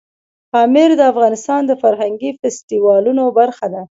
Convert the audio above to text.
پامیر د افغانستان د فرهنګي فستیوالونو برخه ده.